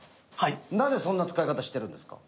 なぜそんな使い方してるんですか？